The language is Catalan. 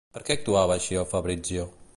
Per què actuava així el Fabrizio?